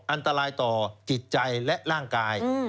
อันตรายต่อจิตใจและร่างกาย